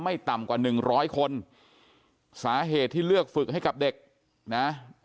ต่ำกว่าหนึ่งร้อยคนสาเหตุที่เลือกฝึกให้กับเด็กนะ